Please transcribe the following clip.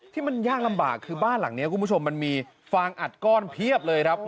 ที่มันยากลำบากคือบ้านหลังนี้คุณผู้ชมมันมีฟางอัดก้อนเพียบเลยครับ